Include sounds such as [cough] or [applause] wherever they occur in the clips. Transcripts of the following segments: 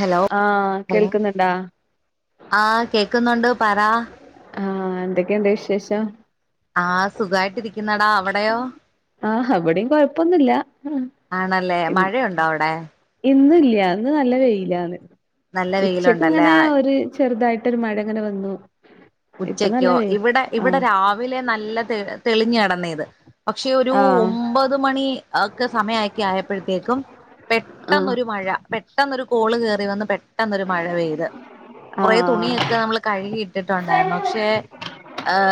Hello ആഹ് hello കേൾക്കുന്നുണ്ടാ ആഹ് കേക്കുന്നുണ്ട് പറ ആഹ് എന്തൊക്കെയുണ്ട് വിശേഷം ആഹ് സുഖായിട്ടിരിക്കുന്നടാ അവിടെയോ ആഹ് ഇവിടെയും കൊഴപ്പൊന്നുല്ല ആഹ് ആണല്ലേ മഴയുണ്ടോ അവിടെ ഇന്നില്ല ഇന്ന് നല്ല വെയിലാണ് നല്ല ഉച്ചക്ക് വെയിലുണ്ടല്ലേ ഇങ്ങനെ ആഹ് ഒരു ചെറുതായിട്ടൊരു മഴങ്ങനെ വന്നു ഇപ്പൊ നല്ല ഉച്ചക്കോ വെയിൽ ഇവിടെ ഇവിടെ ആഹ് രാവിലെ നല്ല തെ തെളിഞ് കെടന്നത് പക്ഷെ ഒരു ആഹ് ഒമ്പത് മണി ഒക്കെ സമയക്കി ആയപ്പോഴത്തേക്കും ആഹ് പെട്ടെന്നൊരു മഴ പെട്ടെന്നരു കോള് കേയറി വന്ന് പെ ട്ടന്നൊരു മഴ പെയ്ത് കുറെ ആഹ് തുണിയൊക്കെ നമ്മൾ കഴുകിയിട്ടിട്ട് ണ്ടായിരുന്നു പക്ഷെ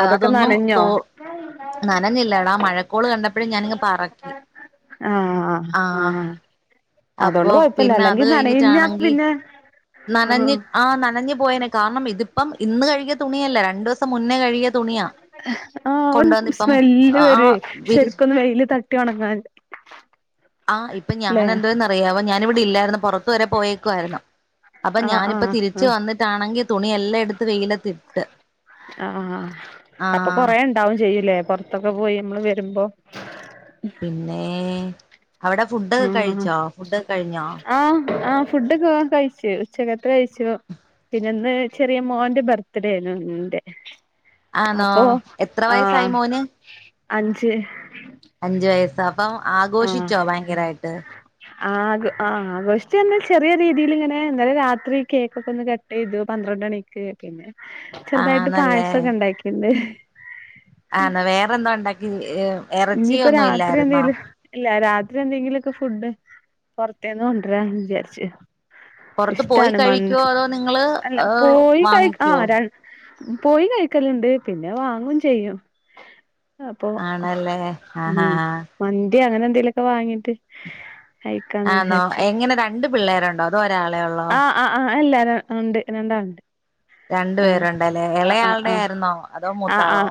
അതൊക്കെ അതൊന്നും നനഞ്ഞോ തോ [unintelligible] നനഞ്ഞില്ലേടാ മഴക്കോള് കണ്ടപ്പോഴു ഞാനിങ് പറക്കി ആഹ് അതുകൊണ്ട് അപ്പൊ കൊഴപ്പല്ല പിന്നെ അത് അല്ലെങ്കി നനഞ്ഞാ കഴിഞ്ഞിട്ടാണെങ്കി പിന്നെ നനഞ്ഞ് ആഹ് നനഞ്ഞു പോയനെ കാരണം ഇതിപ്പം ഇന്ന് കഴി തുണിയല്ല രണ്ടു ദിവസം മുന്നേ കഴിയ തുണിയാ ആഹ് ഒരു കൊണ്ടുവന്ന ഇപ്പം സ്മെല്ല് വരുവേ ആഹ് വി ശരിക്കൊന്ന് വെയില് തട്ടി ഉണങ്ങാൻ ആഹ് ഇപ്പൊ ഞാനെന്തോ ചെയ്തെന്നറിയാവോ ഞാന് ഇവിടെ ഇല്ലായിരുന്നു പുറത്ത് വരെ പോയേക്കുവാരുന്നു അപ്പൊ ആഹ് ഞാനിപ്പൊ ആഹ് തിരിച്ച് ആഹ് വന്നിട്ടാണെങ്കി തുണി എല്ലാം എടുത്ത് വെയിലത്തിട്ട് ആഹ് ആഹ് അപ്പൊ ആഹ് കൊറേ ഉണ്ടാവും ചെയ്യൂലേ പുറത്തൊക്കെ പോയി നമ്മള് വരുമ്പോ പിന്നേ അവിടെ ഫുഡൊക്കെ ആഹ് കഴിച്ചോ ഫുഡൊക്കെ കഴിഞ്ഞോ ആഹ് ആഹ് ഫുഡൊക്കെ കഴിച്ചു ഉച്ചക്കത്തെ കഴിച്ചു പിന്നെ ഇന്ന് ചെറിയ മോന്റെ ബർത്ത്ഡേ ആരുന്നു എന്റെ ആണോ അപ്പൊ എത്ര വയസ്സായി ആഹ് മോന് അഞ്ച് അഞ്ചു വയസ്സോ അപ്പം ആഘോഷിച്ചോ ഭയങ്കരായിട്ട് ആഹ് ആഹ് ആഘോഷിച്ചോന്ന് ചോയിച്ചാചെറിയ രീതീൽ ഇങ്ങനെ ഇന്നലെ രാത്രി കേക്ക് ഒക്കെ ഒന്ന് കട്ട് ഇതു പന്ത്രണ്ട് മണിക്ക് പിന്നെ ചെറുതായിട്ട് ആണല്ലേ പായസം ഒക്കെ ഉണ്ടാക്കിണ്ട് ആന്നോ വേറൊന്നും ഉണ്ടാക്കി ഇറച്ചി ഇനിയിപ്പോ ഒന്നും രാത്രി ഇല്ലായിരുന്നോ എന്തെലും ഇല്ല രാത്രി എന്തെങ്കിലുമൊക്കെ ഫുഡ് പുറത്തേന്ന് കൊണ്ടരാന്ന് വിചാരിച്ചു പുറത്ത് പോയി ഇഷ്ടാണ് മന്ത് കഴിക്കുവോ അതോ നിങ്ങള് അല്ല ഏഹ് പോയി കഴി വാങ്ങിക്കുവോ ആഹ് ര പോയി കഴിക്കലുണ്ട് പിന്നെ വാങ്ങുവേം ചെയ്യും അപ്പൊ ആണല്ലേ ആഹാ ഉം മന്തി അങ്ങനെ എന്തെലുംവൊക്കെ വാങ്ങീട്ട് കഴിക്കാന്ന് ആന്നോ വിചാരിച്ച് എങ്ങനെ രണ്ട് പിള്ളേരുണ്ടോ അതോ ഒരാളെ ഉള്ളോ ആഹ് ആഹ് അല്ല ര ഉണ്ട് രണ്ടാൾ രണ്ടു പേരുണ്ടല്ലേ ആ ഇളയാളുടെ ആ ആയിരുന്നോ അതോ ആ ആ മൂത്താളോ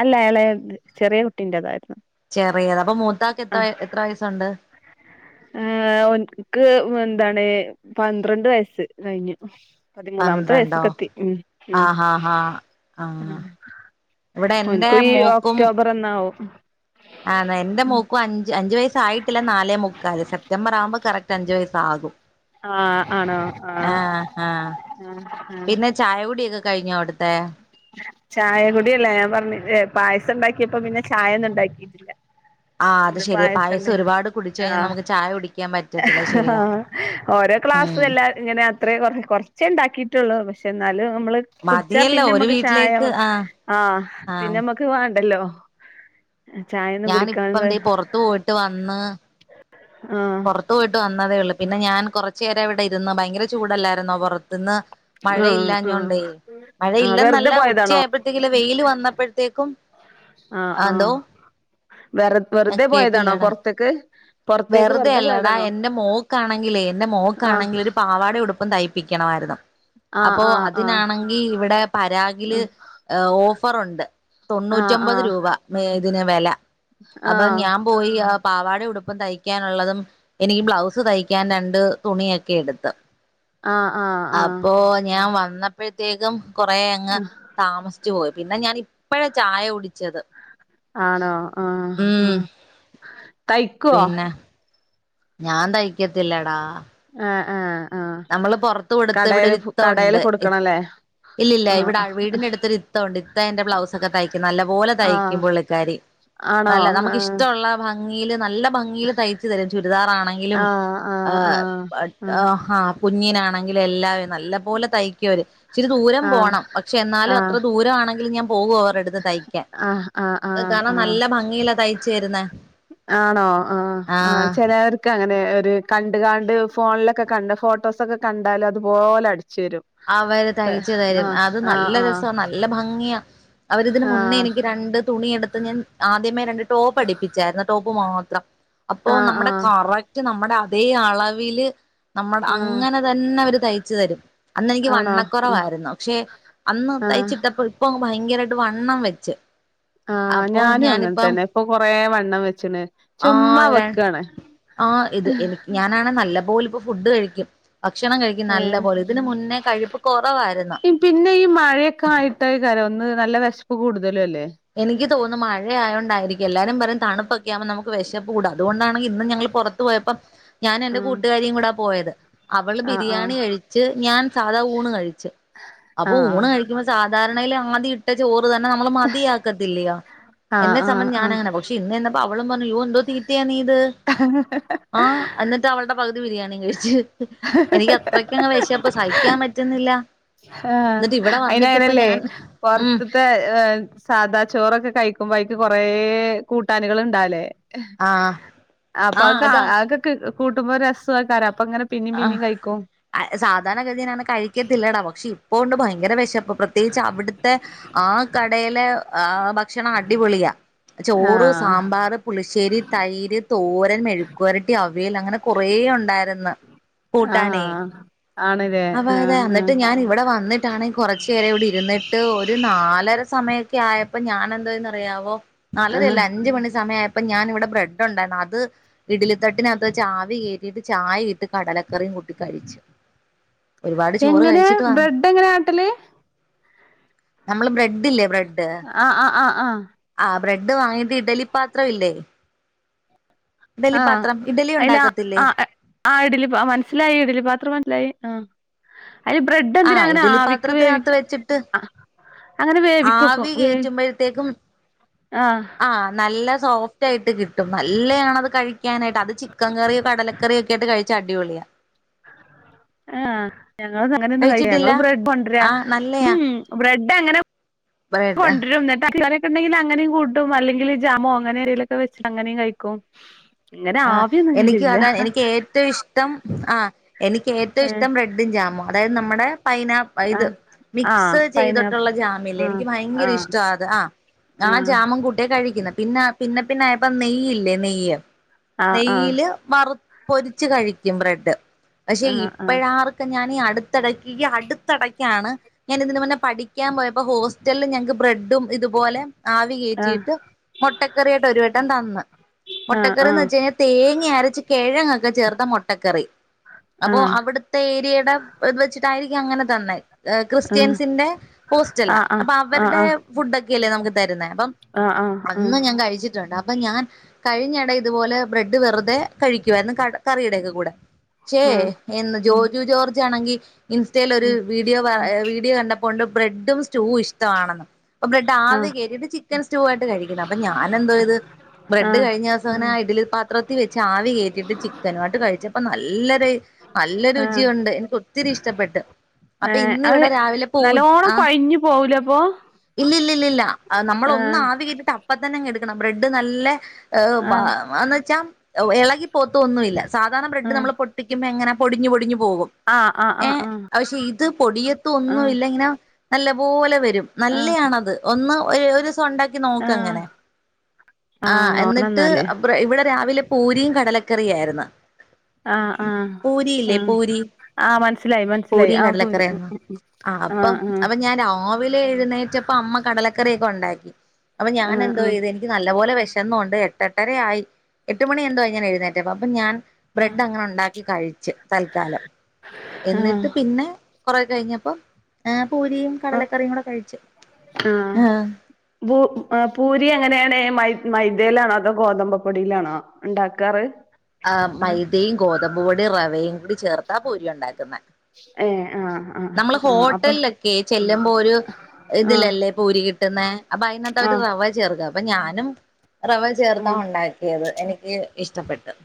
അല്ല ഇളയ ചെറിയ കുട്ടീന്റേതായിരുന്നു ചെറിയത് അപ്പൊ മൂത്താക്ക് എത്ര എത്ര വയസ്സുണ്ട് ആഹ് ഓനക്ക് എന്താണ് പന്ത്രണ്ട് വയസ്സ് കഴിഞ്ഞു പതിമൂന്നാമത്തെ പന്ത്രണ്ടോ വയസക്ക് എത്തി ഉം ഉം ആഹാ ഹാ ആ ഇവിടെ എന്റെ ഓനക്കു ഈ ഒക്ടോബർ ഒന്നാവും ആണോ എന്റെ മോക്കും അഞ്ച് അഞ്ചു വയസായി ട്ടില്ല നാലേ മുക്കാല് സെപ്റ്റംബർ ആകുമ്പോൾ കറക്റ്റ് അഞ്ച് വയസ്സ് ആകും ആഹ് ആഹ് ആഹ് ആഹ് ആഹ് പിന്നെ ചായ കുടിയൊക്കെ കഴിഞ്ഞോ അവിടുത്തെ ചായ കുടിയല്ല ഞാൻ പറഞ്ഞില്ലേ പായസം ഉണ്ടാക്കിയപ്പോ പിന്നെ ചായ ഒന്നും ഉണ്ടാക്കി ഇല്ല ആഹ് അത് ശെരിയാ പായസം ഒരുപാട് കുടിച്ച് കഴിഞ്ഞാൽ ആഹ് നമുക്ക് ചായ കുടിക്കാൻ പറ്റത്തില്ല ശെരിയാ ആഹ് ഓരോ ക്ലാസ് എല്ലാരും ഇങ്ങനെ അത്രേ കൊറച്ചേ ഉണ്ടാക്കിട്ടുള്ളൂ പക്ഷെ എന്നാലും നമ്മള് കുടിച്ചാ മതിയല്ലോ പിന്നെ ഒരു നമ്മക്ക് വി ചായ ആഹ് പിന്നെ നമ്മക്ക് വേണ്ടല്ലോ ചായൊന്നും കുടിക്കാൻ ഞാനിപ്പം ദേ പൊറത്തു പോയിട്ട് വന്ന് ആഹ് പുറത്ത് പോയിട്ട് വന്നതേ ഉള്ളു പിന്നെ ഞാൻ കുറച്ചുനേരം ഇവിടെ ഇരുന്ന് ഭയങ്കര ചൂടല്ലായിരുന്നോ പുറത്തുന്ന് ആഹ് ആഹ് മഴയില്ലാഞ്ഞോണ്ടേ മഴ ആഹ് വെറുതെ ഇല്ലെന്നല്ല പോയതാണോ ഉച്ചയപ്പോഴത്തേക്കില് വെയില് വന്നപ്പോഴത്തേക്കും ആഹ് എന്തോ ആഹ് വെറു ഞാൻ വെറുതെ പോയതാണോ കേട്ടില്ലടാ പൊറത്തേക്ക് പൊറത്തേക്ക് വെറുതെ അല്ലെടാ പോയതാണോ എന്റെ മോക്കാണെങ്കിലേ എൻ്റെ ആഹ് മോക്കിണെങ്കില ഒരു പാവാടേം ഉടു പ്പ് തയ്പ്പിക്കണമായിരുന്നു ആഹ് അപ്പൊ ആഹ് അതിനാണെങ്കിൽ ഇവിടെ പരാഗില് ഓഫറുണ്ട് ആഹ് ആഹ് തൊണ്ണൂറ്റൊമ്പത് ആഹ് രൂപ ഇതിന് വില അപ്പൊ ആഹ് ഞാൻ പോയി ആഹ് പാവാടേം ഉടു പ്പ് തയ്ക്കാനുള്ളതും എനിക്ക് ബ്ലൗസ് തയ്ക്കാൻ രണ്ട് തുണിയൊക്കെ എടുത്ത് ആഹ് ആഹ് ആഹ് അപ്പൊ ഞാൻ വന്നപ്പോഴത്തേക്കും കൊറെ അങ്ങ് താമസിച്ചു പോയി പിന്നെ ഞാൻ ഇപ്പഴാ ചായ കുടിച്ചത് ആണോ ആഹ് ഉം ആഹ് തയ്ക്കുവോ പിന്നെ ഞാൻ തയ്ക്കത്തില്ലെടാ ആഹ് ആഹ് ആഹ് നമ്മള് പൊറത്ത് കൊടുത്ത് ഇവിടെ കടേല് ഒരു കടേല് ഇത്തഉണ്ട് കൊടുക്കണല്ലേ ഇല്ല ഇല്ല ആഹ് ഇവിടെ വീടിന്റെ അടുത്തൊരു ഇത്ത ഉണ്ട് ഇത്ത എന്റെ ബ്ലൗസ് ഒക്കെ തയ്ക്കും നല്ല പോലെ ആഹ് തയ്ക്കും പുള്ളിക്കാരി ആണോ നല്ല നമുക്ക് ആഹ് ഇഷ്ടഉള്ള ഭംഗിയില് നല്ല ഭംഗില് തയ്ച്ചു തരും ചുരിദാറാണെങ്കിലും ആഹ് ആഹ് ആഹ് കുഞ്ഞിനാണെങ്കില്ലും എല്ലാം നല്ല പോലെ തയ്ക്കുവര് ഇിരി ദൂരം ആഹ് പോണം പക്ഷെ ആഹ് എന്നാലും അത്ര ദൂരമാണെങ്കിലും ഞാൻ പോകുവും അവരുടെ അടുത്ത് തയ്ക്കാൻ ആഹ് ആഹ് ആഹ് ആഹ് കാണാൻ ആഹ് നല്ല ഭംഗിയിലാ തയ്യ്ച്ച് തരുന്നേ ആണോ ആ ആ ആഹ് ചിലർ ഒക്കെ അങ്ങനെ ഒരു കണ്ട് കാണ്ട് ഫോണിലൊക്കെ കണ്ട ഫോട്ടോസൊക്കെ കണ്ടാലും അതുപോലെ അടിച്ചു വരും അവര് തയ്ച്ച തരും ആഹ് അത് ആഹ് നല്ല രസ ആഹ് നല്ല ഭംഗിയാ അവരിതിന് മുന്നേ എനിക്ക് രണ്ട് തുണി എടുത്ത് ഞാൻ ആദ്യമേ രണ്ട് ടോപ്പ് അടിപ്പിച്ചായിർന്ന് ടോപ്പ് മാത്രം അപ്പൊ ആഹ് ആഹ് നമ്മുടെ ആഹ് കറ നമ്മുടെ അതേ അളവില് നമ്മുടെ ആഹ് അങ്ങനെ തന്നെ അവര് തഴിച്ച് തരും അന്ന് എനിക്ക് ആണോ ആഹ് വണ്ണക്കുറവായിരുന്നു പക്ഷെ അന്ന് ആഹ് തയ്ച്ചിട്ടപ്പോ ഇപ്പൊ ഭയങ്കരയിട്ട് വണ്ണം വെച്ച് ആഹ അപ്പൊ ഞാനും അങ്ങനെ ഞാനിപ്പം തന്നെ ഇപ്പൊ കൊറെ വണ്ണം വെച്ച്ണ് ആ ചുമ്മാ വെക്കണ് ഞാൻനാണെ നല്ല പോല ഇപ്പോ ഫുഡ് കഴിക്കും ഭക്ഷണം കഴിക്കും നല്ല ഏഹ് പോലെ ഇതിന് മുന്നേ കഴ്പ്പ് കുറവായിരുന്നു പിന്നെ ഈ മഴയൊക്കെ ആയിട്ടായികരം ഒന്ന് നല്ല വെശപ്പ് കൂടുതലും അല്ലേ എനിക്ക് തോന്നും മഴയതൊണ്ടായിരിക്കും എല്ലാരും പറയും തണുപ്പൊക്കെ ആകുമ്പോ നമുക്ക് വിശപ്പൂടും അതുകൊണ്ടാണ് ഇന്ന് ഞങ്ങൾ പോറ പോയപ്പം ഞാൻ എന്റെ ആഹ് കൂട്ടുകാരിം കൂടെ പോയത് അവള് ബിരിയാണി ആഹ് കഴിച്ച് ഞാൻ സാധാ ഊണ് കഴിച്ച് അപ്പൊ ആഹ് ഊണ് കഴിക്കുമ്പോ സാധാരണയിൽ ആദ്യം ഇട്ട ചോറ് തന്നെ നമ്മള് മതിയാ ത്തി ആഹ് എന്നെ സമം ആഹ് ആഹ് ഞാനങ്ങനെ പക്ഷെ ഇന്ന എന്തപ്പ അവളും പറഞ്ഞു യോ എന്തോ തീറ്റയ നീ ഇത് ആഹ ട്ട് അവളുടെ പകുതി ബിരിയാണി കഴിച്ച് എനിക്ക് അത്രക്കങ്ങ് വിശപ്പ് സഹിക്കാൻ പറ്റ്ന്നില്ല ആഹ അയിന് അങ്ങനല്ലേ ഉം പോറത്ത് ത്തെ സാദാ ചോറൊക്കെ കഴിക്കുമ്പോ അയ്ക്ക് കൊറെ കൂട്ടാന്കൾ ഇണ്ടാവുല്ലേ ആഹ് അപ്പ അഹ് ആഹ് ക അതാ അഹ് ക്ക് കൂട്ടുമ്പ ഒരു രസു ആക്കാരം അപ്പൊ അങ്ങനെ പിന്നിം ആഹ് പിന്നിം കഴിക്കും സാധാരണ ഗതിയിനാണ് കഴിക്കത്തില്ലട പക്ഷെ ഇപ്പൊണ്ട് ഭയങ്കര വിശപ്പ് പ്രത്യേകിച്ച് അവിടുത്തെ ആ കടയ്ല് ആ ഭക്ഷണം അടിപൊളിയാ ചോറ് ആഹ് സാമ്പാർ പുളിശ്ശേരി തൈര് തോരൻ മെഴുക്കുരട്ടി അവേൽ അങ്ങനെ കൊറേ ഉണ്ടായിര്ന്ന് കൂട്ടാനെ ആഹ് ആണ്ല്ലേ അവ തെ ആഹ് എന്നിട്ട് ആഹ് ഞാൻ ഇവിടെ വന്നിട്ട് ട്ടണെ കുറച്ച് ചോരെ ഇവിടെ ഇര്ന്നിട്ട് ഒരു നാലര സമയമൊക്കെ ആയപ്പോ ഞാൻ എന്തോന്ന് അറിയാവോ ആഹ് നാലരല്ല അഞ്ച് മണി സമയ അയപ്പോ അപ്പൊ ഞാൻ ഇവിടെ ബ്രെഡ് ഉണ്ടായിന്നു അത് ഇഡല തട്ടിനകത്ത് ആവി കേറ്റിട്ട് ചായ കടലക്കറിയും കൂട്ടി കഴിച്ച് ഒരുപാട് ചോറ് എങ്ങനെ കഴിച്ചിട്ട് ബ്രെഡ് എങ്ങനെ ആട്ടല് നമ്മള് ബ്രെഡ് ഇല്ലേ ബ്രെഡ് ആഹ ആഹ ആഹ ആഹ ബ്രഡ് വാങ്ങീട്ട് ഇഡലി പാത്രംല്ലേ ആഹ ഇഡലി അതിൽ ഉണ്ടാക്കത്തില്ലേ ആ ആ ഇഡിലി മനസ്സിലായി ഇഡിലി പാത്രം മനസ്സിലായി ആഹ അയിന് ബ്രെഡ് ആ എന്തിനാ അങ്ങനെ ആവിക്ക് വേവിക്ക ഇഡലിപ്പാത്രത്തിനകത്ത് വെച്ചിട്ട് അങ്ങനെ വേവിക്കോ ക്കോ മ്മത്തേക്കും ആഹ ആഹ് നല്ല സോഫ്റ്റ് ആയിട്ട് കിട്ടും നല്ലയാണത് കഴി ക്കാനായിട്ട് അത് ചിക്കൻ കറിയോ കടലക്കറിയൊക്കെ ആയ്ട്ട് കഴിച്ചാ അടിപൊളിയാ ആഹ് ഞങ്ങളൊന്നും അങ്ങനൊന്നും കഴിക്കേ കഴിച്ചിട്ടില്ല ഞങ്ങള് ബ്രഡ് കൊണ്ടരാ ആ നല്ലയാ ഉം ബ്രെഡങ്ങനെ ബ്രെഡ് കൊണ്ടരും ന്ന്ട്ട് [unintelligible] റ്റുണ്ടെങ്കില് അങ്ങനേം കൂട്ടും അല്ലങ്കില് ജാമോ അങ്ങനെന്തെലൊക്കെ വെച്ച് അങ്ങനേം കയ്ക്കും ആഹ് എനിക്കും അതാ എനിക്ക് ഏറ്റവും ഇഷ് ഇഷ്ടം ആഹ് എനിക്ക് ഏറ്റവും ഏഹ് ഇഷ്ടം ബ്രെഡും ജാമും അതായത് നമ്മടെ പൈനാപ്പ് അ ഇത് ആഹ് ആഹ് മിക്സ് പൈനാപ്പ് ചെയ്തട്ടൊള്ള ജാമില്ലേ ആഹ് എനിക്ക് ഭയങ്കര ആഹ് ഇഷ്ടാ അത് ആഹ് ആ ജാമും കൂട്ടിയാ കഴിക്കുന്നെ. പിന്നാ പിന്നെ പിന്നെ ആയപ്പ നെയ്യില്ലേ നെയ്യ് ആഹ് ആഹ് നെയ്യ്ല് വറു പൊരിച്ച് കഴിക്കും ബ്രെഡ്. പക്ഷെ ആഹ് ഇപ്പഴാറ് ക്ക ഞാനീ അടുത്തെടക്ക് ഈ അടുത്തെടക്കാണ് ഞാൻ ഇതിന് മുന്നെ പഠിക്കാൻ പോയപ്പോ ഹോസ്റ്റലില് ഞങ്ങക്ക് ബ്രെഡും ഇതുപോലെ ആവി ആഹ് ആഹ് കേറ്റീട്ട് മൊട്ടക്കറിയായിട്ട് ഒരു വട്ടം തന്ന്. ആഹ് ആഹ് മൊട്ടക്കറീന്ന് വെ ആഹ് ഇതിനെ തേങ്ങ അരച്ച് കെഴങ്ങൊക്ക ചേർത്ത മൊട്ടക്കറി അപ്പൊ ആഹ് അവിടുത്തെ ഏരിയയുടെ ഇത് വെച്ചിട്ടായിരിക്കാം അങ്ങന തന്നെ എഹ് ആഹ് ക്രിസ്ത്യൻസിന്റെ ഹോസ്റ്റലാ ആഹ് അപ്പ ആഹ് ആഹ് ആഹ് അവരുടെ ആഹ് ഫുഡ് ഒക്കെ അല്ലേ നമുക്ക് തരുന്നേ അപ്പം ആഹ് ആഹ് അന്ന് ഞാൻ കഴിച്ചിട്ടൊണ്ട്. അപ്പം ഞാൻ കഴിഞ്ഞ എടേ ഇതുപോലെ ബ്രെഡ് വെറുതെ കഴിക്കുവാരുന്നു കട കറിയുടെ ഒക്കെ കൂടെ ക്ഷേ ആഹ് ഇന്ന് ജോജു ജോർജാണെങ്കി ഇൻസ്‌റ്റേലൊരു ഉം വീ വീഡിയോ വ എ വീഡിയോ കണ്ടപ്പോണ്ട് ബ്രെഡും സ്റ്റൂഉം ഇഷ്ടമാണെന്ന് ഒ ബ്രെഡ് ആഹ് ആവി കേറ്റിട്ട് ചിക്കൻ സ്റ്റൂവായിട്ട് കഴിക്കുന്ന അപ്പം ഞാനെന്തെയ്ത് ബ്രഡ് ആഹ് കഴിഞ്ഞാ ഇത് അങ്ങനാ ഇഡ്ഡലി പാത്രത്തി വെച്ച് ആവി കേറ്റിട്ട് ചിക്കനു ആട്ട് കഴിച്ചപ്പ നല്ലര് നല്ല രുചി ആഹ് ഒണ്ട് എനിക്ക് ഒത്തിരി ഇഷ്ടപ്പെട്ട് അപ്പ ഏഹ് ഇന്ന് അത് ഇവിടെ രാവിലെ പൂ നല്ലോണം ആഹ് കൊഴഞ്ഞു പോവൂലേ അപ്പൊ ഇല്ല ഇല്ല ല്ല ല്ല അത് നമ്മളൊന്ന് ആഹ് ആവി കേറ്റിട്ട് അപ്പ തന്നെ അങ്ങ് എടുക്കണം ബ്രെഡ് നല്ല ഏഹ് ബ ആഹ് വാന്ന് വെച്ചാ എഹ് എളകി പോവൊത്തൊന്നു ഇല്ല. സാധാരണ ബ്രെഡ് ആഹ് നമ്മള് പൊട്ട് ട്ടിക്ക്മ്പ എങ്ങന പൊടിഞ്ഞു പൊടിഞ്ഞു പോകും ആഹ് ആഹ് ഏഹ് ആഹ് പക്ഷെ ഇത് പൊടിയത്തൊന്നും ആഹ് ഇല്ല ഇങ്ങന നല്ല പോലെ വരും ആഹ് നല്ലെയാണത് ഒന്ന് ഒരു ഒരുസം ഒണ്ടാ ക്കി ആഹ് ആഹ് നോക്കങ്ങനെ ആഹ് നോക്കണം എന്നിട്ട് എന്നാല് അപ് പ്രെ ഇവിട രാവിലെ പൂരിയും കടലക്കറിയാര്ന്ന് ആഹ് ആഹ് പൂരി ഇല്ലേ ആഹ് പൂരി ആഹ് മനസ്സിലായി മനസ്സിലായി പൂരിയും ആഹ് പൂരി കടലക്കറി ആരുന്നോ ആഹ് അപ്പം അപ്പ ഞാനോ രാവിലെ എഴുന്നേറ്റപ്പ അമ്മ കടലക്കറിയൊക്കെ ഒണ്ടാക്കി. അപ്പൊ ഞാന് ആഹ് എന്തോ ആഹ് ചെയ്ത് എനിക്ക് എനിക്ക് നല്ല പോലെ വെശന്നോണ്ട് എട്ട് എട്ടരയായി എട്ട് മണി എന്തോ ആയി ഞാൻ എഴുന്നേറ്റപ്പൊ. അപ്പ ഞാൻ ആഹ് ബ്രെഡ് അങ്ങനെ ഒണ്ടാക്കി കഴിച്ച് തൽക്കാലം. എന്നിട്ട് ആഹ് പിന്നെ കൊറേ കഴിഞ്ഞപ്പോ ഏഹ് പൂരിയും കടലക്കറിയും കൂടെ കഴിച്ച് ഏഹ് ബൂ ആഹ് പൂരി എങ്ങനെയാണ് മൈദ് മൈദയിലാണോ അതോ ഗോതമ്പ് പ്പൊടിയിലാണോ ഉണ്ടാക്കാറ് ആഹ് മൈദയും ഗോതമ്പ് പൊടി റവയും കൂടി ചേർത്താ പൂരി ഒണ്ടാക്കുന്ന ഏഹ് ആഹ് ആഹ് നമ്മള് ആഹ് അപ്പൊ ഹോട്ടലിലൊക്കെ ചെല്ലുമ്പോ ഒരു ആഹ് ഇതിലല്ലേ പൂരി കിട്ടുന്നേ അപ്പൊ അതിനകത്ത് അവര് ആഹ് റവ ചേർക്കാം അപ്പൊ ഞാനും റവ ചേർത്താ ആഹ് ഒണ്ടാക്കിയത് എനിക്ക് ഇഷ്ടപ്പെട്ട് അത്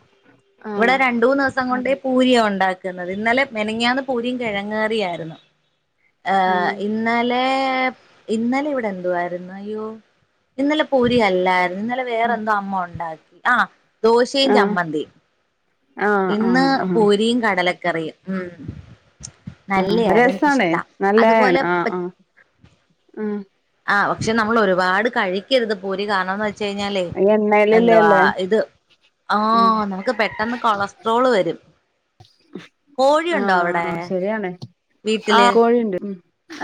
ഇവടെ ആഹ് രണ്ടൂന്ന് ദെവസം കൊണ്ട് പൂരിയാ ഒണ്ടാക്കുന്നത് ഇന്നലെ മെനഞ്ഞാന്ന് പൂരിയും കെഴങ്ങ് കറീം ആര്ന്ന് ര്ന്നു ആഹ് ഇന്നലെ ഇന്നലെ ഇവിടെ എന്തുവാരുന്നു അയ്യോ ഇന്നലെ പൂരി അല്ലാരുന്നു ഇന്നലെ വേറെ എന്തോ അമ്മ ഒണ്ടാക്കി ആഹ് ദോശേം ചമ്മന്തിയും. ആഹ് ഇന്ന് ആഹ് ആഹ് പൂരിയും കടലക്കറിയും ഉം ഇല്ലേ ആഹ് രസാണ് അതെനിക്കിഷ്ടാ നല്ലയാണ് അതുപോലെ ആഹ് പ ആഹ് ആഹ് ആഹ് പക്ഷേ നമ്മള് ഒരുപാട് കഴിക്കരുത് പൂരി. കാരണംന്ന് വെ വെച്ച് യിഞ്ഞാലേയ് എണ്ണയിലല്ലേ എന്തുവാ ഉള്ളെ ഇത് ഉം ആഹ് നമുക്ക് പെ ട്ടെന്ന് കൊളസ്ട്രോള് വരും. കോഴി യുണ്ടോവിടെ രാണ്. ആഹ് കോഴിണ്ട്. ഉം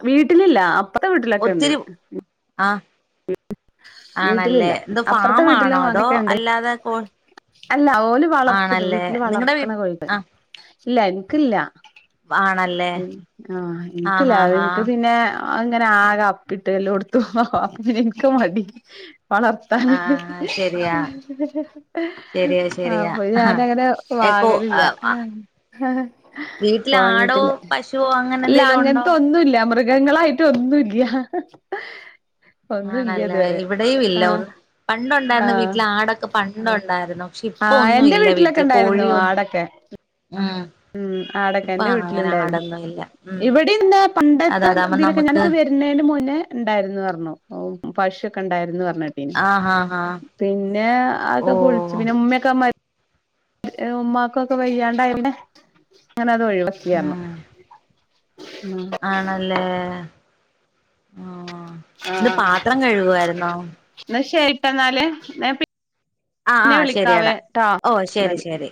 വീട്ടിലില്ല അപ്പറത്തെ വീട്ടിലൊക്കെണ്ട് ഒത്തിരി ആഹ് വീട്ടിലില്ല ആണല്ലേ. ന്ത് അപ്പറത്തെ ഫാമാണോ വീട്ടിലും അതോ അങ്ങനൊക്കെ ഉണ്ട് അല്ലാതെ കോ അല്ല ഓല് വളർത്ത്ത്. ആണല്ലേ വീട്ട്ല് നിങ്ങടെ വീ വളർത്ത്ണെ കോഴിണ്ട്. ആഹ് ഇല്ല ഇൻക്ക്ല്ലാ. ആണല്ലേ ഉം. ആഹ് ആഹ് എനിക്കല്ലാ അഹ് ആഹ് ൻക്ക് ആഹ് പിന്നേ ആ അങ്ങനെ ആകെ അപ്പിട്ട് എല്ലോട്ത്തും. പ്പ ങ്ങനെ ൻക് മടി വളർ ത്താന്. ആഹ് ശരിയാ ശരിയാ ആഹ് ശരിയാ അപ്പൊ ഞാനങ്ങനെ എക്കോ വാങ്ങല് ല്ലാ. ഏഹ് വീട്ടില് ആടോ വാങ്ങിട്ടില്ല. പശുവോ അങ്ങ ഇല്ലാ. അങ്ങൻത്തൊന്നുല്ല. മൃഗങ്ങളായിട്ട് ഒന്നുല്ല്യാ. ആണല്ലേ ഇവടെയു ഇല്ല. ഒന്ന് പണ്ടുണ്ടായിരുന്നു ആഹ് വീട്ടില് ആടൊക്കെ പണ്ടുണ്ടായിരുന്നു പക്ഷെ ഇപ്പൊ ആഹ് ഒന്നും എന്റെ ഇല്ല വീട്ടിലൊക്കെ വീട്ടില്. കോഴിയോ ഉം. ഉം ആടൊക്കെ ഇപ്പൊ എന്റെ അങ്ങനെ വീട്ടില്ണ്ടായിരുന്നു. ആടൊന്നും ഇല്ല ഉം ഇവടീം ണ്ട് അത പണ്ടത്തെ അതാവുമ്പോ തിലൊക്കെ നമുക്ക് ഞാനൊക്കെ വരൂ ന്നേന് മുന്നേ ണ്ടായിര്ന്ന് അർണു. പശൊക്കെ ണ്ടായിര്ന്ന് പർഞ്ഞേ ട്ടീനി. ആഹ് ആഹ് ആഹ് പിന്നെ അത് ഓ പൊൾച്ച് പിന്നെ ഉമ്മയൊക്കെ മ ഏഹ് ഉമ്മാകൊക്കെ വയ്യാണ്ടായി. പിന്നെ അങ്ങനെ അത് ഒഴിവാക്കീ അർഞ്ഞു. ഉം ആഹ് ആണല്ലേ. ആഹ് എന്ത് പാത്രം കഴുകുവായിരുന്നോ? ന്ന ശരിട്ട ന്നാല്. ന്ന ഞാൻ ആഹ് പിന്നെ ആഹ് വിളിക്കാവേ ശരിയടാ ട്ടൊ ഓ ശരി ന്നാല് ശരി